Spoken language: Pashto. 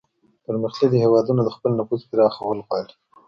پرمختللي هیوادونه د خپل نفوذ پراخول غواړي